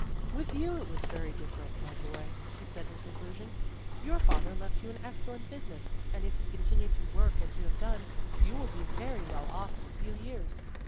"With you it was very different, my boy," she said in conclusion. "Your father left you an excellent business, and if you continue to work as you have done, you will be very well off in a few years.